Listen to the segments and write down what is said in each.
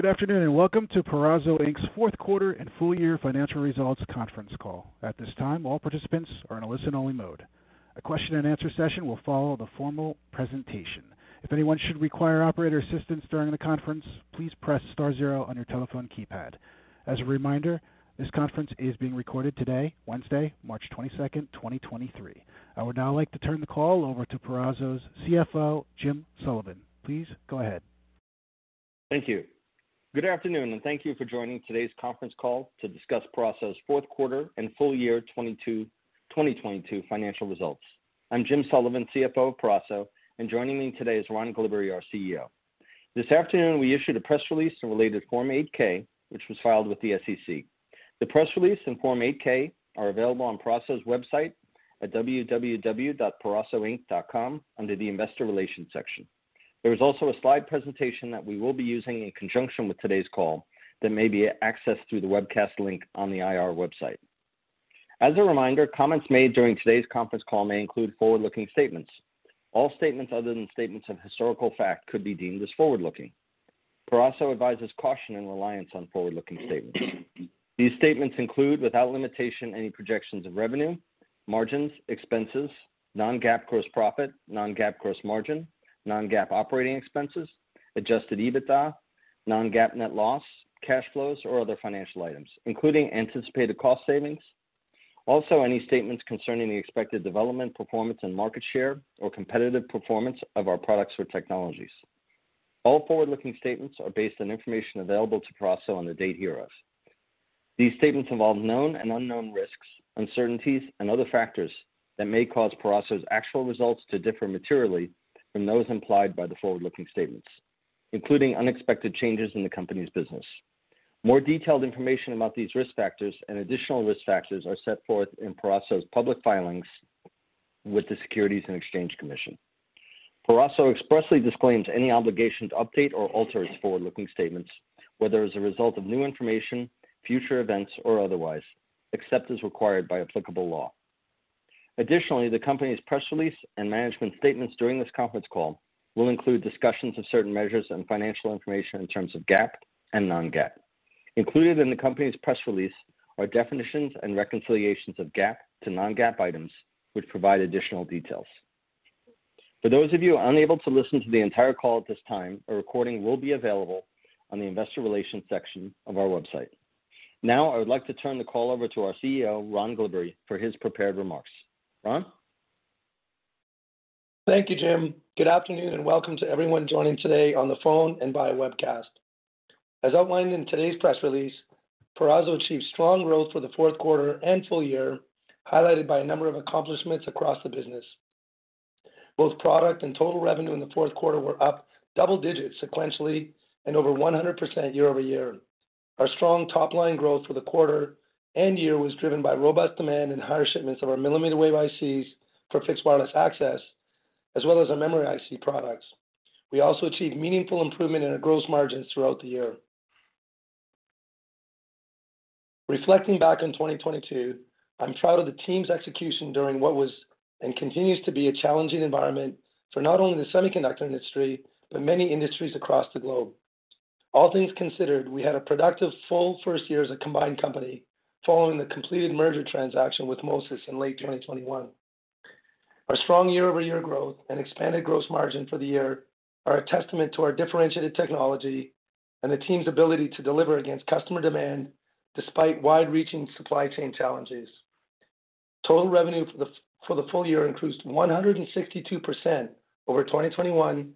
Good afternoon, and welcome to Peraso Inc.'s fourth quarter and full year financial results conference call. At this time, all participants are in a listen-only mode. A question and answer session will follow the formal presentation. If anyone should require operator assistance during the conference, please press star 0 on your telephone keypad. As a reminder, this conference is being recorded today, Wednesday, March 22nd, 2023. I would now like to turn the call over to Peraso's CFO, Jim Sullivan. Please go ahead. Thank you. Good afternoon, thank you for joining today's conference call to discuss Peraso's fourth quarter and full year 2022 financial results. I'm Jim Sullivan, CFO of Peraso, and joining me today is Ron Glibbery, our CEO. This afternoon we issued a press release and related Form 8-K, which was filed with the SEC. The press release and Form 8-K are available on Peraso's website at www.perasoinc.com under the Investor Relations section. There is also a slide presentation that we will be using in conjunction with today's call that may be accessed through the webcast link on the IR website. As a reminder, comments made during today's conference call may include forward-looking statements. All statements other than statements of historical fact could be deemed as forward-looking. Peraso advises caution and reliance on forward-looking statements. These statements include, without limitation, any projections of revenue, margins, expenses, non-GAAP gross profit, non-GAAP gross margin, non-GAAP operating expenses, adjusted EBITDA, non-GAAP net loss, cash flows, or other financial items, including anticipated cost savings. Also, any statements concerning the expected development, performance and market share or competitive performance of our products or technologies. All forward-looking statements are based on information available to Peraso on the date hereof. These statements involve known and unknown risks, uncertainties and other factors that may cause Peraso's actual results to differ materially from those implied by the forward-looking statements, including unexpected changes in the company's business. More detailed information about these risk factors and additional risk factors are set forth in Peraso's public filings with the Securities and Exchange Commission. Peraso expressly disclaims any obligation to update or alter its forward-looking statements, whether as a result of new information, future events or otherwise, except as required by applicable law. Additionally, the company's press release and management statements during this conference call will include discussions of certain measures and financial information in terms of GAAP and non-GAAP. Included in the company's press release are definitions and reconciliations of GAAP to non-GAAP items, which provide additional details. For those of you unable to listen to the entire call at this time, a recording will be available on the investor relations section of our website. Now I would like to turn the call over to our CEO, Ron Glibbery, for his prepared remarks. Ron? Thank you, Jim. Good afternoon, and welcome to everyone joining today on the phone and via webcast. As outlined in today's press release, Peraso achieved strong growth for the fourth quarter and full year, highlighted by a number of accomplishments across the business. Both product and total revenue in the fourth quarter were up double digits sequentially and over 100% year-over-year. Our strong top-line growth for the quarter and year was driven by robust demand and higher shipments of our millimeter wave ICs for fixed wireless access, as well as our memory IC products. We also achieved meaningful improvement in our gross margins throughout the year. Reflecting back on 2022, I'm proud of the team's execution during what was and continues to be a challenging environment for not only the semiconductor industry, but many industries across the globe. All things considered, we had a productive full first year as a combined company following the completed merger transaction with MoSys in late 2021. Our strong year-over-year growth and expanded gross margin for the year are a testament to our differentiated technology and the team's ability to deliver against customer demand despite wide-reaching supply chain challenges. Total revenue for the full year increased 162% over 2021.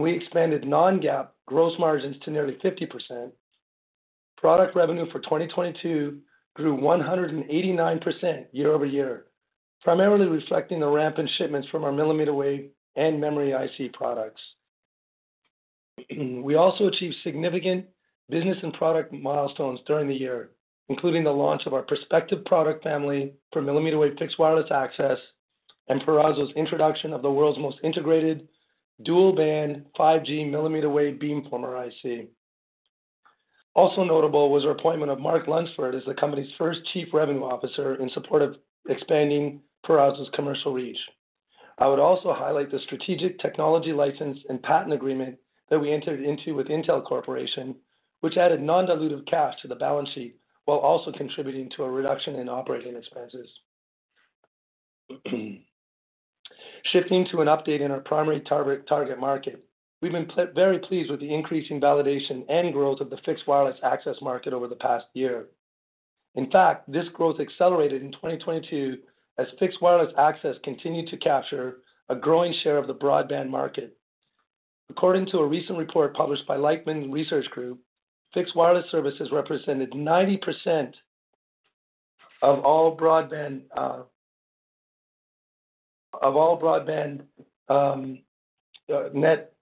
We expanded non-GAAP gross margins to nearly 50%. Product revenue for 2022 grew 189% year-over-year, primarily reflecting the ramp in shipments from our millimeter wave and memory IC products. We also achieved significant business and product milestones during the year, including the launch of our PERSPECTUS product family for mmWave fixed wireless access and Peraso's introduction of the world's most integrated dual-band 5G mmWave beamformer IC. Also notable was our appointment of Mark Lunsford as the company's first Chief Revenue Officer in support of expanding Peraso's commercial reach. I would also highlight the strategic technology license and patent agreement that we entered into with Intel Corporation, which added non-dilutive cash to the balance sheet while also contributing to a reduction in operating expenses. Shifting to an update in our primary target market. We've been very pleased with the increasing validation and growth of the fixed wireless access market over the past year. In fact, this growth accelerated in 2022 as fixed wireless access continued to capture a growing share of the broadband market. According to a recent report published by Leichtman Research Group, fixed wireless services represented 90% of all broadband net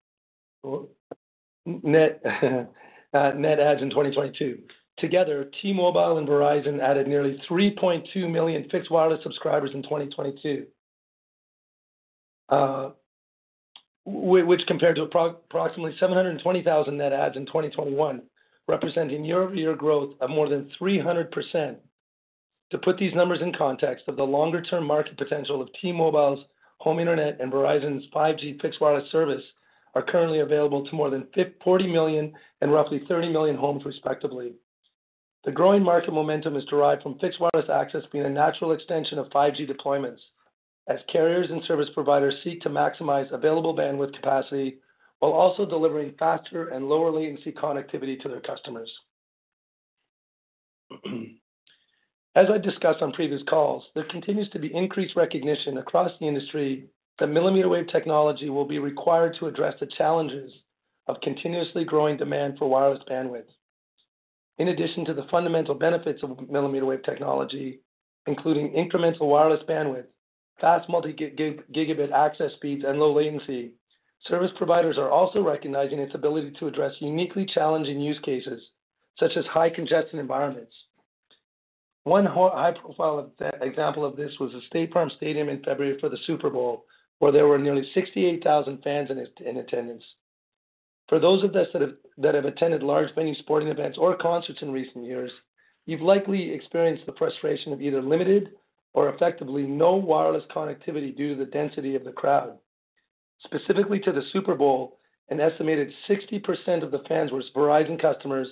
adds in 2022. Together, T-Mobile and Verizon added nearly 3.2 million fixed wireless subscribers in 2022, which compared to approximately 720,000 net adds in 2021, representing year-over-year growth of more than 300%. To put these numbers in context of the longer-term market potential of T-Mobile's home internet and Verizon's 5G fixed wireless service are currently available to more than 40 million and roughly 30 million homes respectively. The growing market momentum is derived from fixed wireless access being a natural extension of 5G deployments as carriers and service providers seek to maximize available bandwidth capacity while also delivering faster and lower latency connectivity to their customers. As I discussed on previous calls, there continues to be increased recognition across the industry that millimeter wave technology will be required to address the challenges of continuously growing demand for wireless bandwidth. In addition to the fundamental benefits of millimeter wave technology, including incremental wireless bandwidth, fast multi gigabit access speeds, and low latency, service providers are also recognizing its ability to address uniquely challenging use cases, such as high congested environments. One high-profile example of this was the State Farm Stadium in February for the Super Bowl, where there were nearly 68,000 fans in attendance. For those of us that have attended large venue sporting events or concerts in recent years, you've likely experienced the frustration of either limited or effectively no wireless connectivity due to the density of the crowd. Specifically to the Super Bowl, an estimated 60% of the fans were Verizon customers,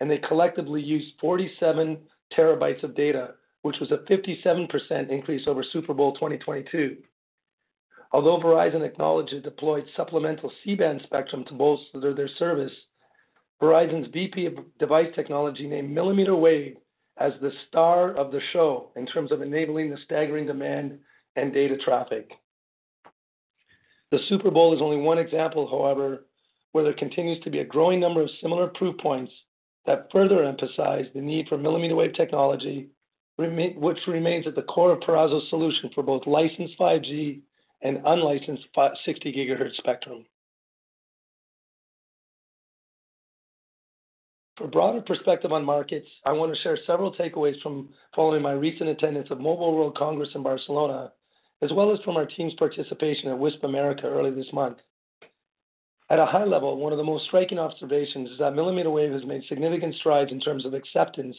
and they collectively used 47 terabytes of data, which was a 57% increase over Super Bowl 2022. Although Verizon acknowledged it deployed supplemental C-band spectrum to bolster their service, Verizon's VP of device technology named millimeter wave as the star of the show in terms of enabling the staggering demand and data traffic. The Super Bowl is only one example, however, where there continues to be a growing number of similar proof points that further emphasize the need for millimeter wave technology which remains at the core of Peraso's solution for both licensed 5G and unlicensed 60 GHz spectrum. For a broader perspective on markets, I want to share several takeaways from following my recent attendance of Mobile World Congress in Barcelona, as well as from our team's participation at WISPAMERICA earlier this month. At a high level, one of the most striking observations is that millimeter wave has made significant strides in terms of acceptance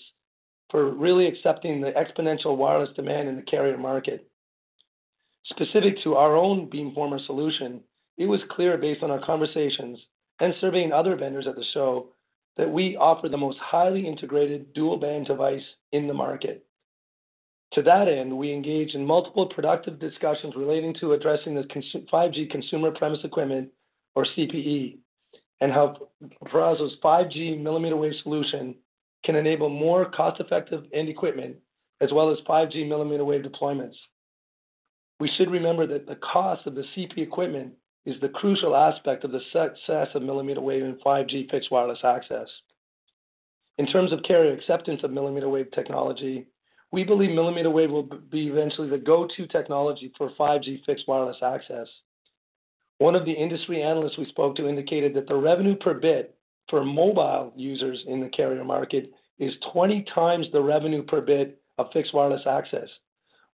for really accepting the exponential wireless demand in the carrier market. Specific to our own beamformer solution, it was clear based on our conversations and surveying other vendors at the show, that we offer the most highly integrated dual band device in the market. To that end, we engaged in multiple productive discussions relating to addressing the 5G consumer premise equipment or CPE, and how Peraso's 5G millimeter wave solution can enable more cost-effective end equipment as well as 5G millimeter wave deployments. We should remember that the cost of the CPE equipment is the crucial aspect of the success of millimeter wave and 5G fixed wireless access. In terms of carrier acceptance of millimeter wave technology, we believe millimeter wave will be eventually the go-to technology for 5G fixed wireless access. One of the industry analysts we spoke to indicated that the revenue per bit for mobile users in the carrier market is 20 times the revenue per bit of fixed wireless access,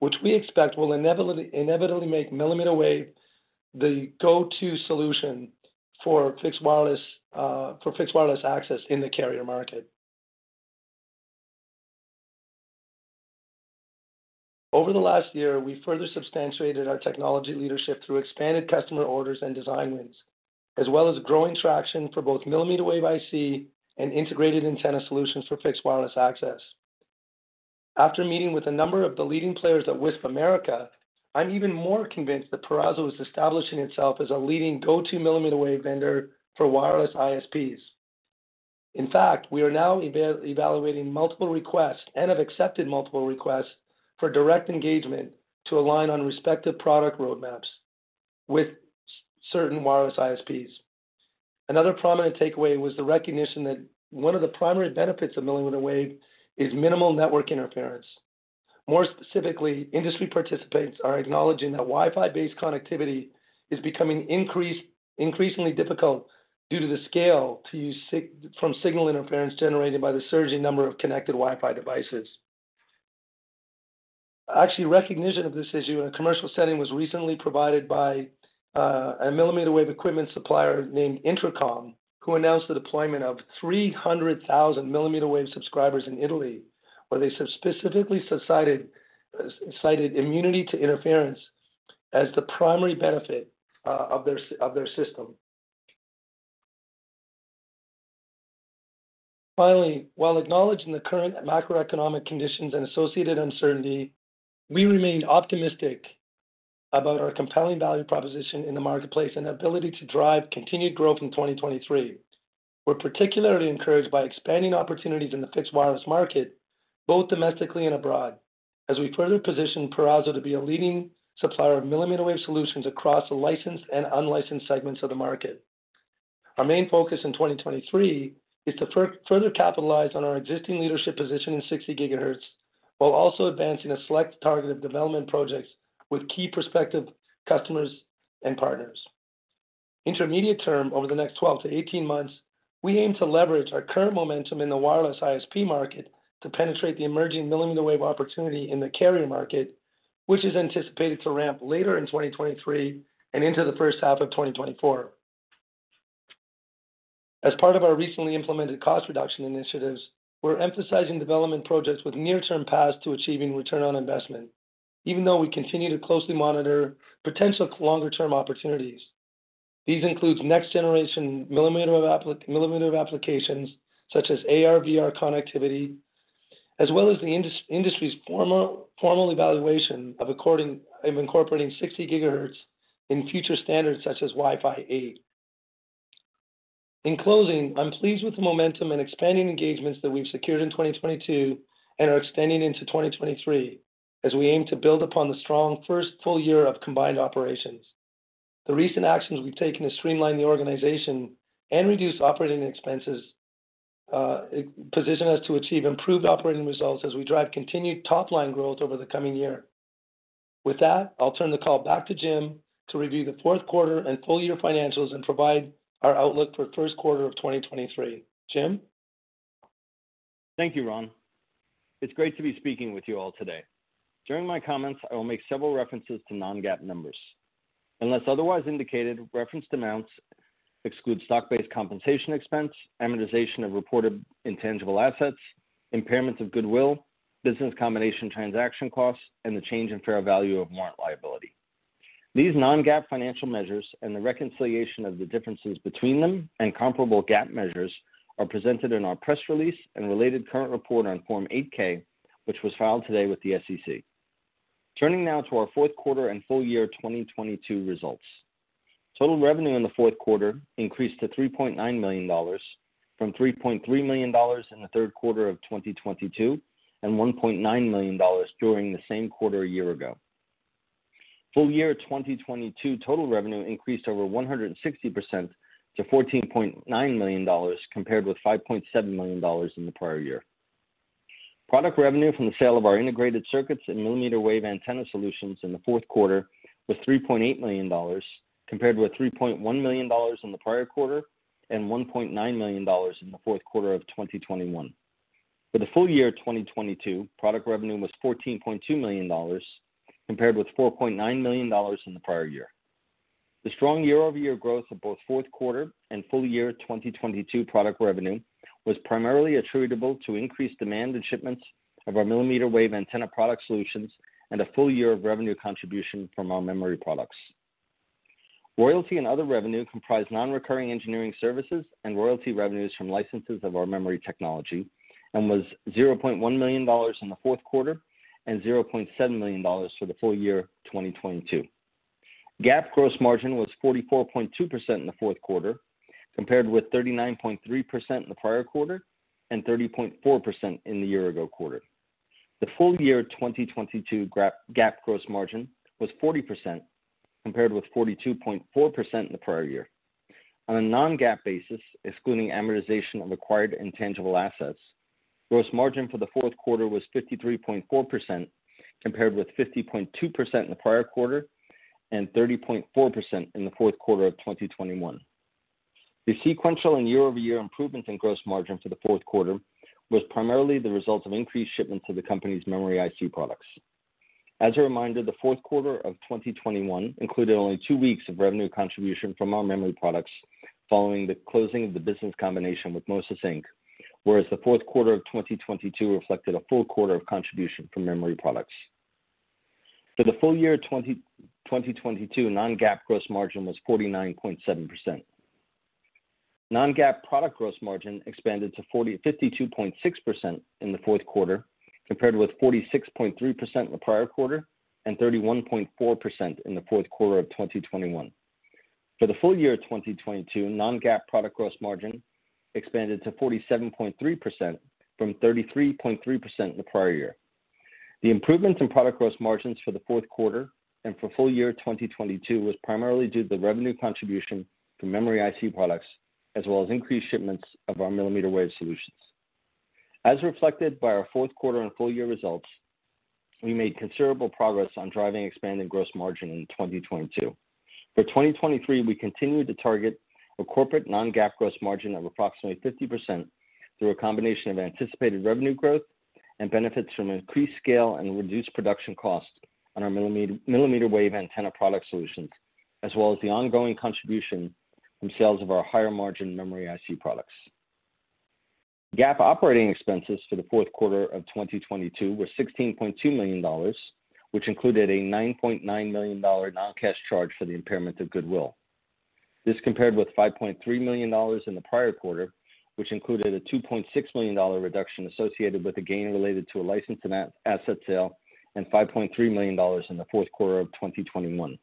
which we expect will inevitably make millimeter wave the go-to solution for fixed wireless for fixed wireless access in the carrier market. Over the last year, we further substantiated our technology leadership through expanded customer orders and design wins, as well as growing traction for both millimeter wave IC and integrated antenna solutions for fixed wireless access. After meeting with a number of the leading players at WISPAMERICA, I'm even more convinced that Peraso is establishing itself as a leading go-to millimeter wave vendor for wireless ISPs. In fact, we are now evaluating multiple requests and have accepted multiple requests for direct engagement to align on respective product roadmaps with certain wireless ISPs. Another prominent takeaway was the recognition that one of the primary benefits of millimeter wave is minimal network interference. More specifically, industry participants are acknowledging that Wi-Fi-based connectivity is becoming increasingly difficult due to the scale to use signal from signal interference generated by the surging number of connected Wi-Fi devices. Actually, recognition of this issue in a commercial setting was recently provided by a millimeter wave equipment supplier named Intracom, who announced the deployment of 300,000 millimeter wave subscribers in Italy, where they specifically cited immunity to interference as the primary benefit of their system. Finally, while acknowledging the current macroeconomic conditions and associated uncertainty, we remain optimistic about our compelling value proposition in the marketplace and ability to drive continued growth in 2023. We're particularly encouraged by expanding opportunities in the fixed wireless market, both domestically and abroad, as we further position Peraso to be a leading supplier of millimeter wave solutions across the licensed and unlicensed segments of the market. Our main focus in 2023 is to further capitalize on our existing leadership position in 60 GHz, while also advancing a select target of development projects with key prospective customers and partners. Intermediate term, over the next 12-18 months, we aim to leverage our current momentum in the wireless ISP market to penetrate the emerging millimeter wave opportunity in the carrier market, which is anticipated to ramp later in 2023 and into the first half of 2024. As part of our recently implemented cost reduction initiatives, we're emphasizing development projects with near-term paths to achieving return on investment, even though we continue to closely monitor potential longer-term opportunities. These includes next generation millimeter-wave applications such as AR/VR connectivity, as well as the industry's formal evaluation of incorporating 60 GHz in future standards such as Wi-Fi 8. In closing, I'm pleased with the momentum and expanding engagements that we've secured in 2022 and are extending into 2023, as we aim to build upon the strong first full year of combined operations. The recent actions we've taken to streamline the organization and reduce operating expenses, position us to achieve improved operating results as we drive continued top-line growth over the coming year. With that, I'll turn the call back to Jim to review the fourth quarter and full year financials and provide our outlook for first quarter of 2023. Jim? Thank you, Ron. It's great to be speaking with you all today. During my comments, I will make several references to non-GAAP numbers. Unless otherwise indicated, referenced amounts exclude stock-based compensation expense, amortization of reported intangible assets, impairments of goodwill, business combination transaction costs, and the change in fair value of warrant liability. These non-GAAP financial measures and the reconciliation of the differences between them and comparable GAAP measures are presented in our press release and related current report on Form 8-K, which was filed today with the SEC. Turning now to our fourth quarter and full year 2022 results. Total revenue in the fourth quarter increased to $3.9 million from $3.3 million in the third quarter of 2022, and $1.9 million during the same quarter a year ago. Full year 2022 total revenue increased over 160% to $14.9 million, compared with $5.7 million in the prior year. Product revenue from the sale of our integrated circuits and millimeter wave antenna solutions in the fourth quarter was $3.8 million, compared with $3.1 million in the prior quarter and $1.9 million in the fourth quarter of 2021. For the full year 2022, product revenue was $14.2 million, compared with $4.9 million in the prior year. The strong year-over-year growth of both fourth quarter and full year 2022 product revenue was primarily attributable to increased demand and shipments of our millimeter wave antenna product solutions and a full year of revenue contribution from our memory products. Royalty and other revenue comprised non-recurring engineering services and royalty revenues from licenses of our memory technology and was $0.1 million in the fourth quarter and $0.7 million for the full year 2022. GAAP gross margin was 44.2% in the fourth quarter, compared with 39.3% in the prior quarter and 30.4% in the year ago quarter. The full year 2022 GAAP gross margin was 40%, compared with 42.4% in the prior year. On a non-GAAP basis, excluding amortization of acquired intangible assets, gross margin for the fourth quarter was 53.4%, compared with 50.2% in the prior quarter and 30.4% in the fourth quarter of 2021. The sequential and year-over-year improvements in gross margin for the fourth quarter was primarily the result of increased shipment to the company's memory IC products. As a reminder, the fourth quarter of 2021 included only 2 weeks of revenue contribution from our memory products following the closing of the business combination with MoSys Inc., whereas the fourth quarter of 2022 reflected a full quarter of contribution from memory products. For the full year 2022, non-GAAP gross margin was 49.7%. Non-GAAP product gross margin expanded to 52.6% in the fourth quarter, compared with 46.3% in the prior quarter and 31.4% in the fourth quarter of 2021. For the full year 2022, non-GAAP product gross margin expanded to 47.3% from 33.3% in the prior year. The improvements in product gross margins for the fourth quarter and for full year 2022 was primarily due to the revenue contribution from memory IC products, as well as increased shipments of our millimeter wave solutions. Reflected by our fourth quarter and full year results, we made considerable progress on driving expanded gross margin in 2022. 2023, we continue to target a corporate non-GAAP gross margin of approximately 50% through a combination of anticipated revenue growth and benefits from increased scale and reduced production costs on our millimeter wave antenna product solutions, as well as the ongoing contribution from sales of our higher margin memory IC products. GAAP operating expenses for the fourth quarter of 2022 were $16.2 million, which included a $9.9 million non-cash charge for the impairment of goodwill. This compared with $5.3 million in the prior quarter, which included a $2.6 million reduction associated with the gain related to a license and asset sale and $5.3 million in the fourth quarter of 2021.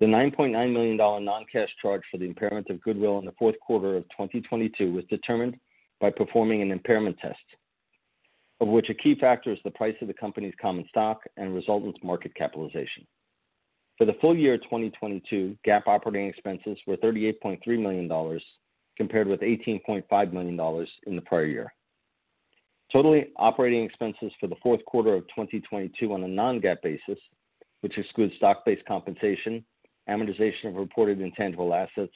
The $9.9 million non-cash charge for the impairment of goodwill in the fourth quarter of 2022 was determined by performing an impairment test, of which a key factor is the price of the company's common stock and resultant market capitalization. For the full year 2022, GAAP operating expenses were $38.3 million, compared with $18.5 million in the prior year. Total operating expenses for the fourth quarter of 2022 on a non-GAAP basis, which excludes stock-based compensation, amortization of reported intangible assets,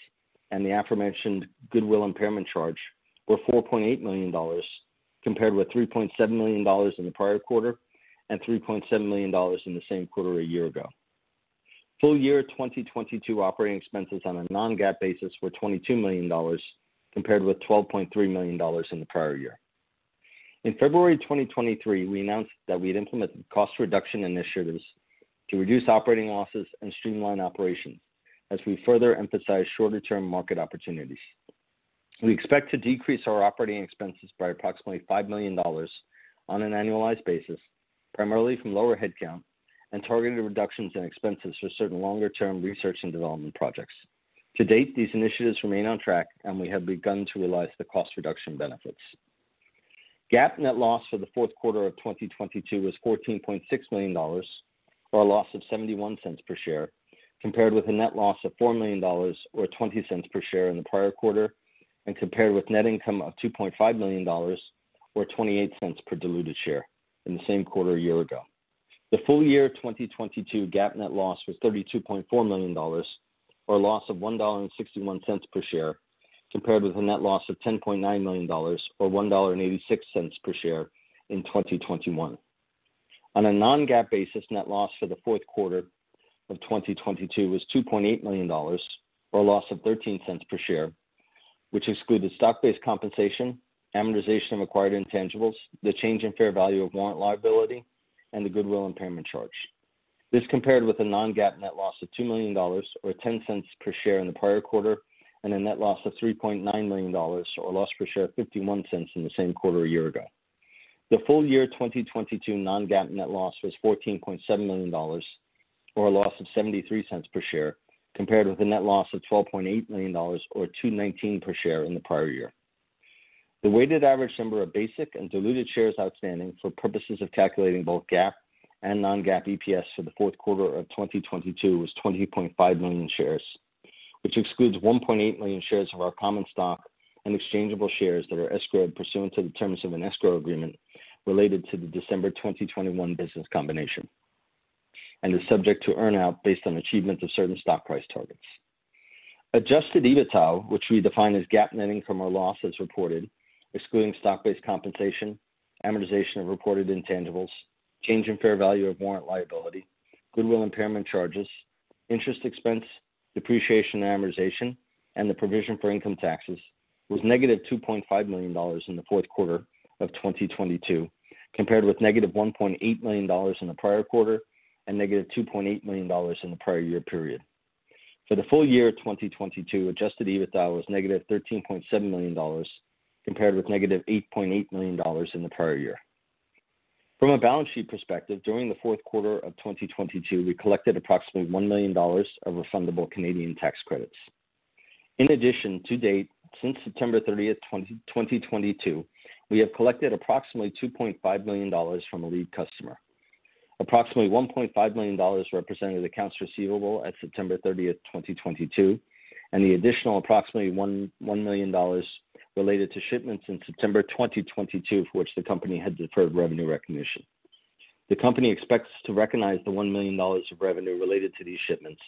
and the aforementioned goodwill impairment charge, were $4.8 million, compared with $3.7 million in the prior quarter and $3.7 million in the same quarter a year ago. Full year 2022 operating expenses on a non-GAAP basis were $22 million compared with $12.3 million in the prior year. In February 2023, we announced that we had implemented cost reduction initiatives to reduce operating losses and streamline operations as we further emphasize shorter-term market opportunities. We expect to decrease our operating expenses by approximately $5 million on an annualized basis, primarily from lower headcount and targeted reductions in expenses for certain longer-term research and development projects. To date, these initiatives remain on track, and we have begun to realize the cost reduction benefits. GAAP net loss for the fourth quarter of 2022 was $14.6 million, or a loss of $0.71 per share, compared with a net loss of $4 million or $0.20 per share in the prior quarter, and compared with net income of $2.5 million or $0.28 per diluted share in the same quarter a year ago. The full year of 2022 GAAP net loss was $32.4 million or a loss of $1.61 per share, compared with a net loss of $10.9 million or $1.86 per share in 2021. On a non-GAAP basis, net loss for the fourth quarter of 2022 was $2.8 million or a loss of $0.13 per share, which excluded stock-based compensation, amortization of acquired intangibles, the change in fair value of warrant liability, and the goodwill impairment charge. This compared with a non-GAAP net loss of $2 million or $0.10 per share in the prior quarter, and a net loss of $3.9 million or a loss per share of $0.51 in the same quarter a year ago. The full year 2022 non-GAAP net loss was $14.7 million or a loss of $0.73 per share, compared with a net loss of $12.8 million or $2.19 per share in the prior year. The weighted average number of basic and diluted shares outstanding for purposes of calculating both GAAP and non-GAAP EPS for the fourth quarter of 2022 was 25 million shares, which excludes 1.8 million shares of our common stock and exchangeable shares that are escrowed pursuant to the terms of an escrow agreement related to the December 2021 business combination and is subject to earn out based on achievement of certain stock price targets. Adjusted EBITDA, which we define as GAAP netting from our loss as reported, excluding stock-based compensation, amortization of reported intangibles, change in fair value of warrant liability, goodwill impairment charges, interest expense, depreciation, amortization, and the provision for income taxes, was negative $2.5 million in the fourth quarter of 2022, compared with negative $1.8 million in the prior quarter and negative $2.8 million in the prior year period. For the full year of 2022, adjusted EBITDA was negative $13.7 million, compared with negative $8.8 million in the prior year. From a balance sheet PERSPECTUS, during the fourth quarter of 2022, we collected approximately 1 million dollars of refundable Canadian tax credits. In addition, to date, since September 30th, 2022, we have collected approximately $2.5 million from a lead customer. Approximately $1.5 million represented accounts receivable at September 30, 2022, and the additional approximately $1 million related to shipments in September 2022, for which the company had deferred revenue recognition. The company expects to recognize the $1 million of revenue related to these shipments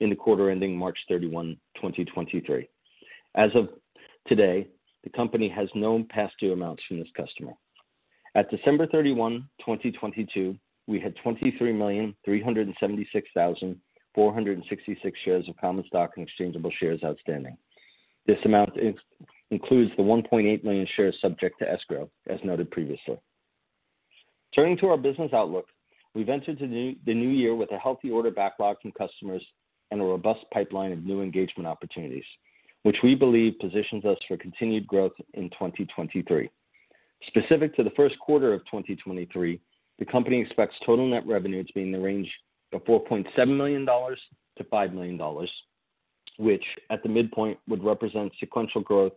in the quarter ending March 31, 2023. As of today, the company has no past due amounts from this customer. At December 31, 2022, we had 23,376,466 shares of common stock and exchangeable shares outstanding. This amount includes the 1.8 million shares subject to escrow, as noted previously. Turning to our business outlook, we've entered the new year with a healthy order backlog from customers and a robust pipeline of new engagement opportunities, which we believe positions us for continued growth in 2023. Specific to the first quarter of 2023, the company expects total net revenue to be in the range of $4.7 million-$5 million, which at the midpoint, would represent sequential growth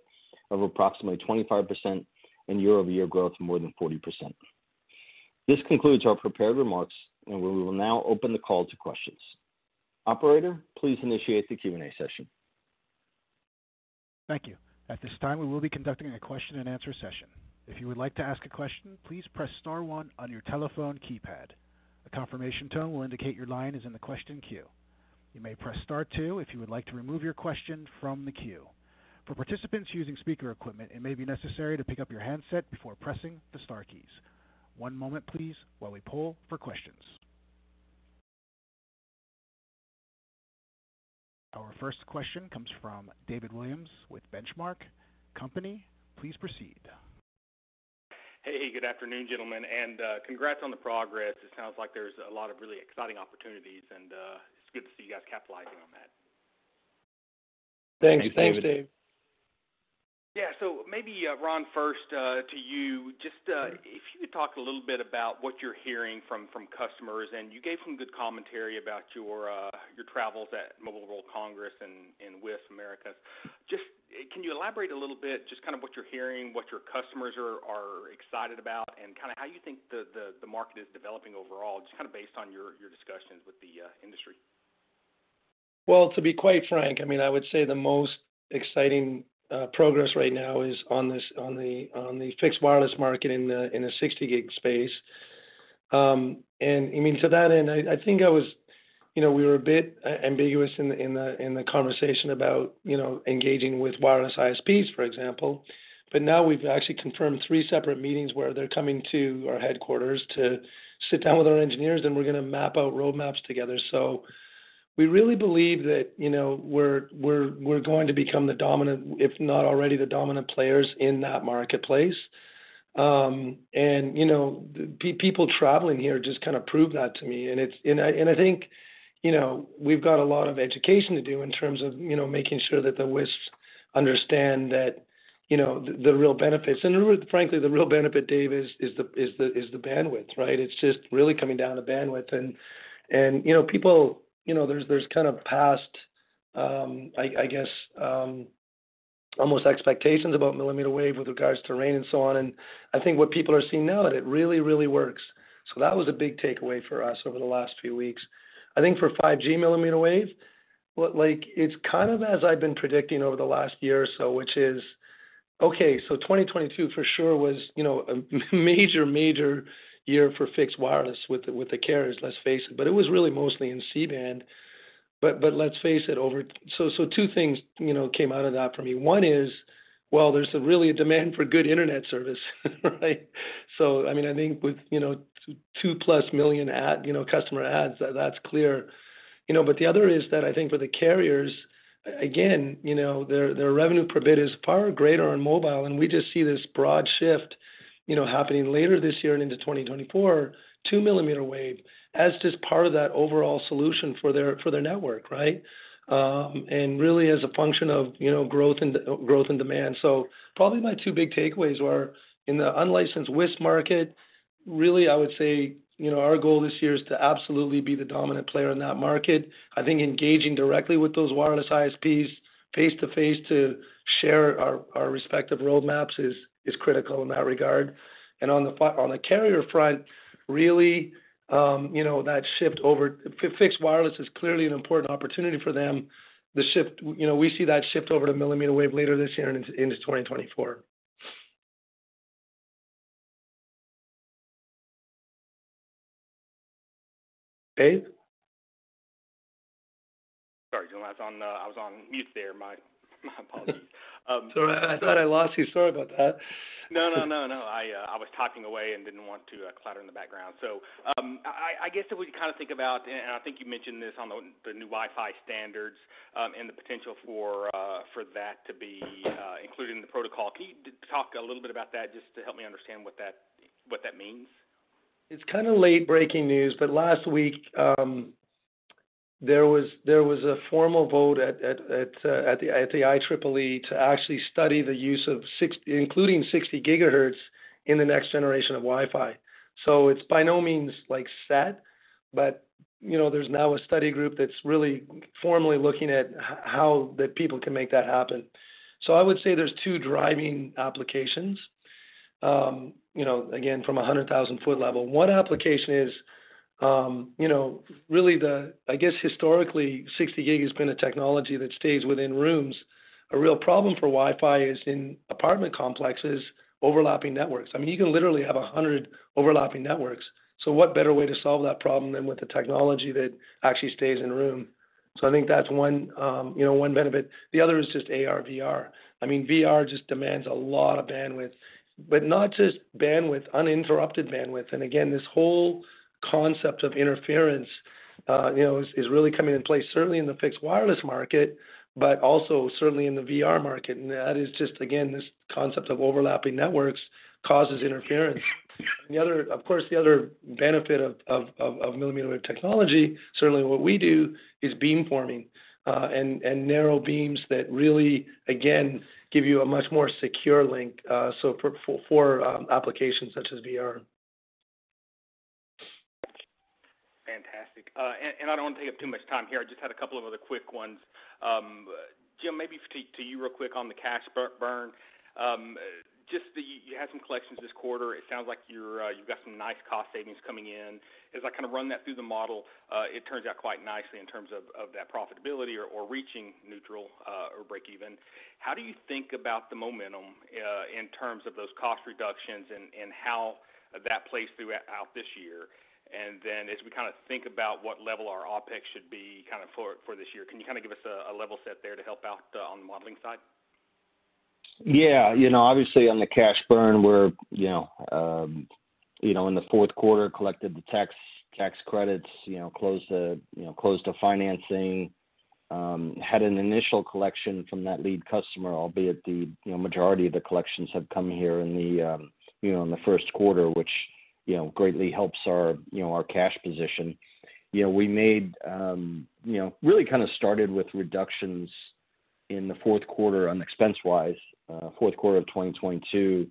of approximately 25% and year-over-year growth more than 40%. We will now open the call to questions. Operator, please initiate the Q&A session. Thank you. At this time, we will be conducting a question-and-answer session. If you would like to ask a question, please press star one on your telephone keypad. A confirmation tone will indicate your line is in the question queue. You may press star two if you would like to remove your question from the queue. For participants using speaker equipment, it may be necessary to pick up your handset before pressing the star keys. One moment please while we poll for questions. Our first question comes from David Williams with The Benchmark Company. Please proceed. Hey. Good afternoon, gentlemen, and, congrats on the progress. It sounds like there's a lot of really exciting opportunities, and, it's good to see you guys capitalizing on that. Thanks. Thanks, Dave. Maybe, Ron, first, to you, just, if you could talk a little bit about what you're hearing from customers, and you gave some good commentary about your travels at Mobile World Congress and with WISPAMERICA. Just, can you elaborate a little bit just kind of what you're hearing, what your customers are excited about, and kinda how you think the, the market is developing overall, just kinda based on your discussions with the industry? to be quite frank, I mean, I would say the most exciting progress right now is on the fixed wireless market in the 60 GHz space. I mean, to that end, I think I was, you know, we were a bit ambiguous in the conversation about, you know, engaging with wireless ISPs, for example. Now we've actually confirmed 3 separate meetings where they're coming to our headquarters to sit down with our engineers. We're gonna map out roadmaps together. We really believe that, you know, we're going to become the dominant, if not already the dominant players in that marketplace. You know, people traveling here just kind of prove that to me. I think, you know, we've got a lot of education to do in terms of, you know, making sure that the WISPs understand that, you know, the real benefits. Really, frankly, the real benefit, Dave, is the bandwidth, right? It's just really coming down to bandwidth. You know, people, you know, there's kind of past I guess almost expectations about millimeter wave with regards to rain and so on. I think what people are seeing now that it really works. That was a big takeaway for us over the last few weeks. I think for 5G millimeter wave, like it's kind of as I've been predicting over the last year or so, which is, okay, 2022 for sure was, you know, a major year for fixed wireless with the, with the carriers, let's face it, but it was really mostly in C-band. Let's face it, over... Two things, you know, came out of that for me. One is, well, there's a really a demand for good internet service, right? I mean, I think with, you know, 2-plus million customer adds, that's clear. You know, the other is that I think for the carriers, again, you know, their revenue per bit is far greater on mobile, and we just see this broad shift, you know, happening later this year and into 2024, to millimeter wave as just part of that overall solution for their network, right? Really as a function of, you know, growth and demand. Probably my two big takeaways were in the unlicensed WISP market, really, I would say, you know, our goal this year is to absolutely be the dominant player in that market. I think engaging directly with those wireless ISPs face-to-face to share our respective roadmaps is critical in that regard. On the carrier front, really, you know, that shift over. Fixed wireless is clearly an important opportunity for them. The shift, you know, we see that shift over to millimeter wave later this year and into 2024. Dave? Sorry, Jim. I was on, I was on mute there. My apologies. Sorry, I thought I lost you. Sorry about that. No, no, no. I was talking away and didn't want to clutter in the background. I guess if we kind of think about, and I think you mentioned this on the new Wi-Fi standards, and the potential for that to be included in the protocol, can you talk a little bit about that just to help me understand what that means? It's kind of late-breaking news. Last week, there was a formal vote at the IEEE to actually study the use of including 60 GHz in the next generation of Wi-Fi. It's by no means, like, set, but, you know, there's now a study group that's really formally looking at how that people can make that happen. I would say there's two driving applications. You know, again, from a 100,000-foot level. One application is, you know, really the, I guess, historically, 60 gig has been a technology that stays within rooms. A real problem for Wi-Fi is in apartment complexes, overlapping networks. I mean, you can literally have 100 overlapping networks. What better way to solve that problem than with the technology that actually stays in a room? I think that's one, you know, one benefit. The other is just AR/VR. I mean, VR just demands a lot of bandwidth. Not just bandwidth, uninterrupted bandwidth. Again, this whole concept of interference, you know, is really coming in place, certainly in the fixed wireless market, but also certainly in the VR market. That is just, again, this concept of overlapping networks causes interference. The other, of course, the other benefit of millimeter wave technology, certainly what we do, is beamforming, and narrow beams that really, again, give you a much more secure link, so for applications such as VR. Fantastic. I don't want to take up too much time here. I just had a couple of other quick ones. Jim, maybe to you real quick on the cash burn. Just the... You had some collections this quarter. It sounds like you're, you've got some nice cost savings coming in. As I kind of run that through the model, it turns out quite nicely in terms of that profitability or reaching neutral or breakeven. How do you think about the momentum in terms of those cost reductions and how that plays throughout this year? Then as we kinda think about what level our OpEx should be kinda for this year, can you kinda give us a level set there to help out on the modeling side? Yeah. You know, obviously on the cash burn, we're, you know, in the fourth quarter, collected the tax credits, you know, closed the financing, had an initial collection from that lead customer, albeit the, you know, majority of the collections have come here in the, you know, in the first quarter, which, you know, greatly helps our, you know, our cash position. You know, we made, you know, really kind of started with reductions in the fourth quarter on expense-wise, fourth quarter of 2022,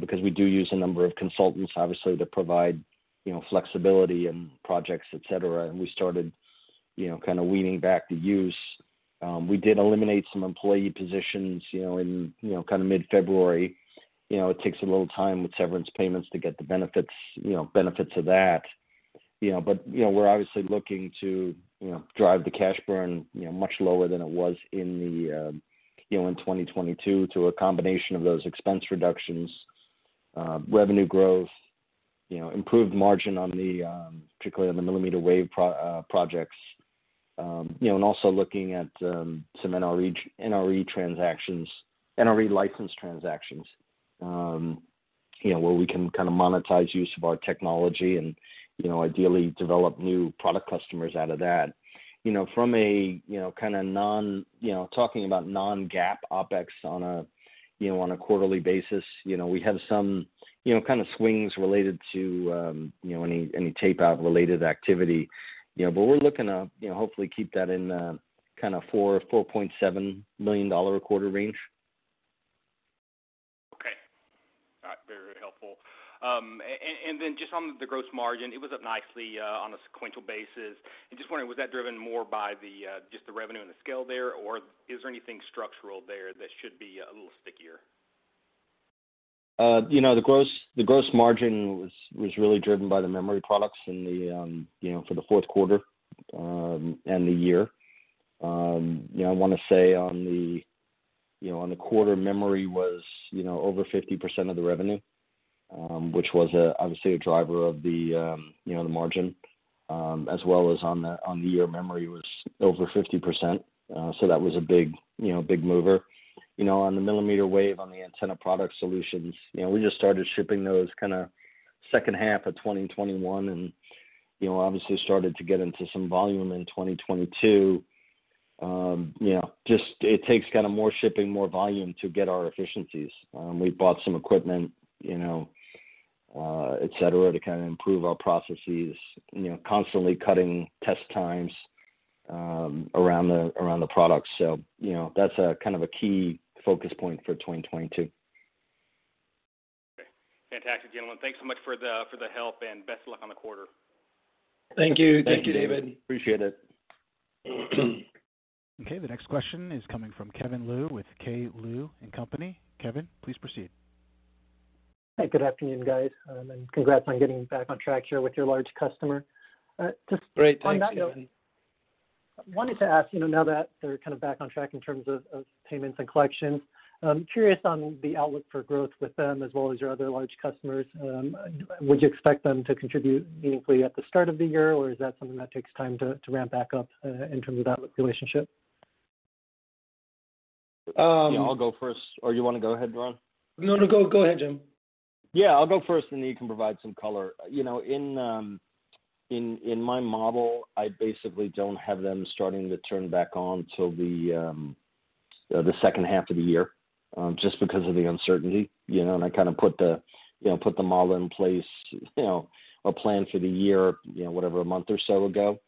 because we do use a number of consultants, obviously, to provide, you know, flexibility in projects, et cetera, and we started, you know, kind of weaning back the use. We did eliminate some employee positions, you know, in, you know, kind of mid-February. You know, it takes a little time with severance payments to get the benefits, you know, benefit to that, you know. You know, we're obviously looking to, you know, drive the cash burn, you know, much lower than it was in the, you know, in 2022 through a combination of those expense reductions, revenue growth, you know, improved margin on the, particularly on the millimeter wave projects, you know, and also looking at, some NRE transactions, NRE license transactions. You know, where we can kind of monetize use of our technology and, you know, ideally develop new product customers out of that. You know, from a, you know, kind of non... You know, talking about non-GAAP OpEx on a, you know, on a quarterly basis, you know, we have some, you know, kind of swings related to, you know, any tapeout related activity, you know. But we're looking to, you know, hopefully keep that in kind of $4 million or $4.7 million a quarter range. Okay. Very helpful. Just on the gross margin, it was up nicely on a sequential basis. I'm just wondering, was that driven more by the, just the revenue and the scale there, or is there anything structural there that should be a little stickier? You know, the gross margin was really driven by the memory products in the, you know, for the fourth quarter and the year. You know, I wanna say on the quarter memory was, you know, over 50% of the revenue, which was obviously a driver of the margin, as well as on the year memory was over 50%, so that was a big mover. You know, on the millimeter wave on the antenna product solutions, you know, we just started shipping those kind of second half of 2021 and, you know, obviously started to get into some volume in 2022. You know, just it takes kind of more shipping, more volume to get our efficiencies. We bought some equipment, you know, et cetera, to kind of improve our processes. You know, constantly cutting test times, around the products. You know, that's a kind of a key focus point for 2022. Okay. Fantastic, gentlemen. Thanks so much for the help, and best of luck on the quarter. Thank you. Thank you. Thank you, David. Appreciate it. Okay. The next question is coming from Kevin Liu with K. Liu & Company. Kevin, please proceed. Hey, good afternoon, guys. Congrats on getting back on track here with your large customer. Great to have you, Kevin. Wanted to ask, you know, now that they're kind of back on track in terms of payments and collections, I'm curious on the outlook for growth with them as well as your other large customers. Would you expect them to contribute meaningfully at the start of the year, or is that something that takes time to ramp back up in terms of that relationship? Um- I'll go first, or you wanna go ahead, Ron? No, no. Go ahead, Jim. Yeah, I'll go first, and then you can provide some color. You know, in my model, I basically don't have them starting to turn back on till the second half of the year, just because of the uncertainty. You know, I kind of put the, you know, put the model in place, you know, or plan for the year, you know, whatever, a month or so ago.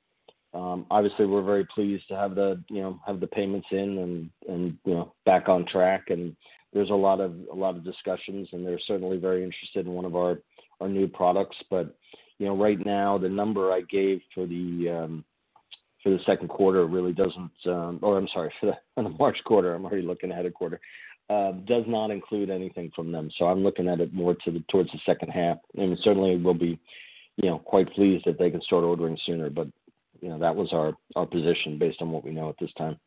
Obviously, we're very pleased to have the, you know, have the payments in and, you know, back on track, and there's a lot of, a lot of discussions, and they're certainly very interested in one of our new products. You know, right now the number I gave for the for the second quarter really doesn't. I'm sorry, for the March quarter, I'm already looking at a quarter, does not include anything from them. I'm looking at it more towards the second half. Certainly we'll be, you know, quite pleased if they can start ordering sooner. You know, that was our position based on what we know at this time.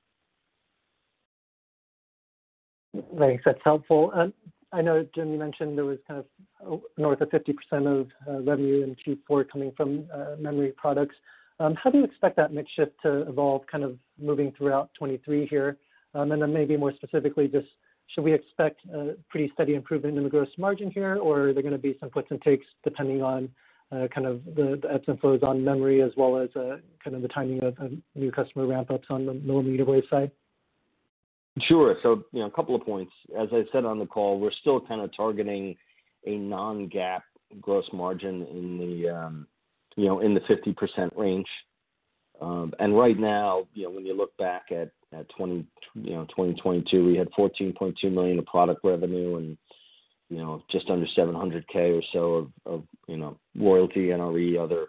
Thanks. That's helpful. I know, Jim, you mentioned there was kind of north of 50% of revenue in Q4 coming from memory products. How do you expect that mix shift to evolve kind of moving throughout 2023 here? Then maybe more specifically, just should we expect a pretty steady improvement in the gross margin here, or are there gonna be some puts and takes depending on kind of the ebbs and flows on memory as well as kind of the timing of new customer ramp-ups on the millimeter wave side? Sure. you know, a couple of points. As I said on the call, we're still kind of targeting a non-GAAP gross margin in the, you know, in the 50% range. Right now, you know, when you look back at 2022, we had $14.2 million of product revenue and, you know, just under $700K or so of, you know, royalty NRE other.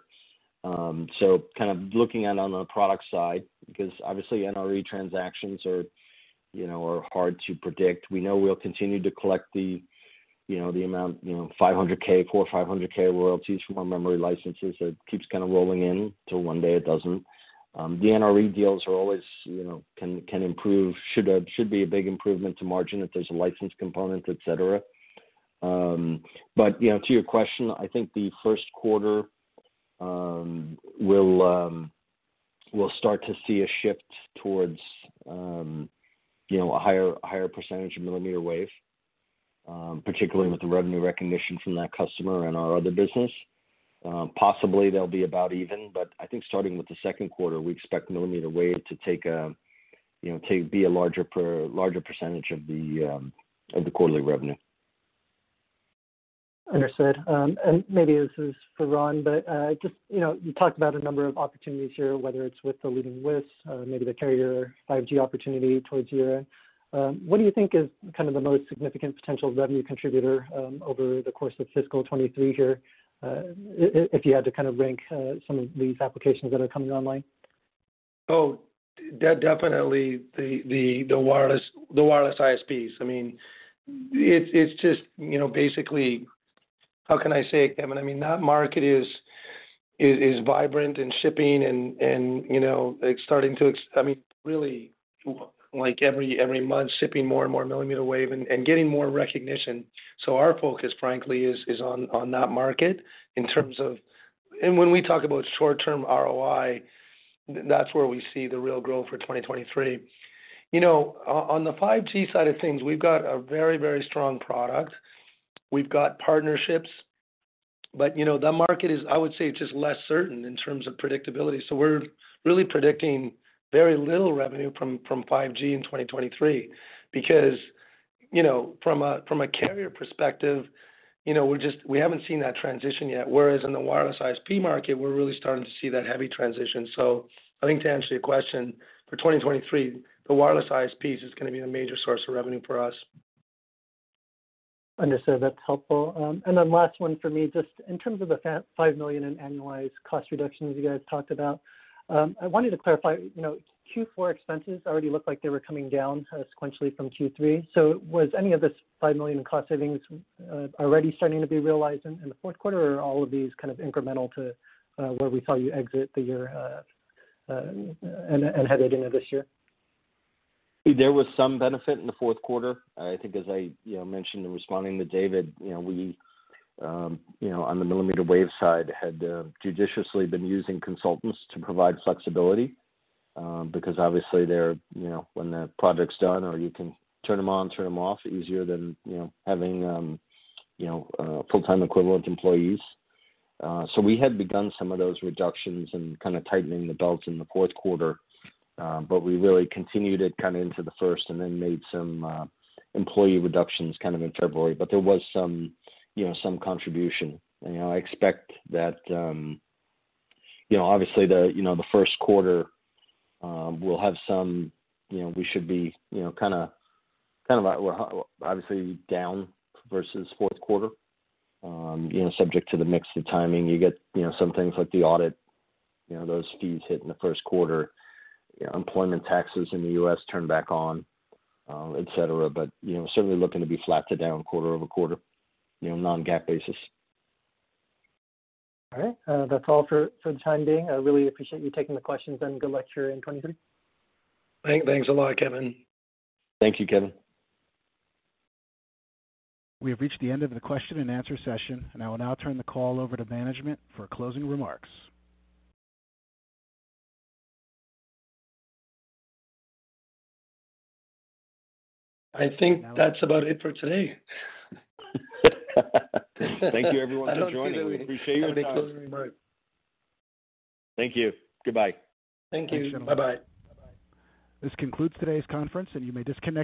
Kind of looking at on the product side, because obviously NRE transactions are, you know, hard to predict. We know we'll continue to collect the, you know, $500K royalties from our memory licenses. It keeps kind of rolling in till one day it doesn't. The NRE deals are always, you know, can improve. Should be a big improvement to margin if there's a license component, et cetera. You know, to your question, I think the first quarter, we'll start to see a shift towards, you know, a higher percentage of millimeter wave, particularly with the revenue recognition from that customer and our other business. Possibly they'll be about even, but I think starting with the second quarter, we expect millimeter wave to take a, you know, be a larger percentage of the quarterly revenue. Understood. Maybe this is for Ron, but, just, you know, you talked about a number of opportunities here, whether it's with the leading WISPs, maybe the carrier 5G opportunity towards year-end. What do you think is kind of the most significant potential revenue contributor, over the course of fiscal 2023 here, if you had to kind of rank, some of these applications that are coming online? Definitely the wireless ISPs. I mean, it's just, you know, basically, how can I say it, Kevin? I mean, that market is vibrant and shipping and, you know, it's starting to. I mean, really, like every month shipping more and more millimeter wave and getting more recognition. Our focus, frankly, is on that market in terms of. When we talk about short-term ROI, that's where we see the real growth for 2023. You know, on the 5G side of things, we've got a very strong product. We've got partnerships. You know, the market I would say it's just less certain in terms of predictability. We're really predicting very little revenue from 5G in 2023 because, you know, from a, from a carrier PERSPECTUS, you know, we haven't seen that transition yet, whereas in the wireless ISP market, we're really starting to see that heavy transition. I think to answer your question, for 2023, the wireless ISPs is gonna be a major source of revenue for us. Understood. That's helpful. Last one for me, just in terms of the $5 million in annualized cost reductions you guys talked about, I wanted to clarify, you know, Q4 expenses already looked like they were coming down sequentially from Q3. Was any of this $5 million in cost savings already starting to be realized in the fourth quarter? Or are all of these kind of incremental to where we saw you exit the year and headed into this year? There was some benefit in the fourth quarter. I think as I, you know, mentioned in responding to David, you know, we, you know, on the millimeter wave side had judiciously been using consultants to provide flexibility, because obviously they're, you know, when the project's done or you can turn them on, turn them off easier than, you know, having, you know, full-time equivalent employees. We had begun some of those reductions and kinda tightening the belts in the fourth quarter. We really continued it kind of into the first and then made some employee reductions kind of in February. There was some, you know, some contribution. You know, I expect that, you know, obviously the, you know, the first quarter, we'll have some, you know, we should be, you know, kind of, obviously down versus fourth quarter, you know, subject to the mix of timing. You get, you know, some things like the audit, you know, those fees hit in the first quarter. Employment taxes in the US turn back on, et cetera. You know, certainly looking to be flat to down quarter-over-quarter, you know, non-GAAP basis. All right. That's all for the time being. I really appreciate you taking the questions and good luck here in 2023. Thanks a lot, Kevin. Thank you, Kevin. We have reached the end of the question and answer session, and I will now turn the call over to management for closing remarks. I think that's about it for today. Thank you everyone for joining. We appreciate your time. Closing remark. Thank you. Goodbye. Thank you. Bye-bye. This concludes today's conference. You may disconnect.